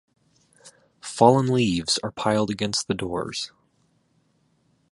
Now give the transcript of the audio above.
Fallen leaves are piled against the doors.